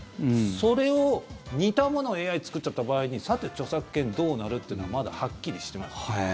それを、似たものをＡＩが作っちゃった場合にさて、著作権どうなるってのはまだはっきりしてません。